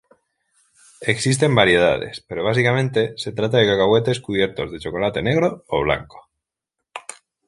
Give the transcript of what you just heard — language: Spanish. Existen variedades, pero básicamente se trata de cacahuetes cubiertos de chocolate negro o blanco.